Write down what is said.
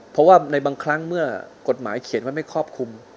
เพราะว่าในบางครั้งเมื่อกฎหมายเขียนว่าไม่ครอบคลุม